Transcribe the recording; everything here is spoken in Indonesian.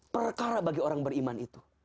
perkara bagi orang beriman itu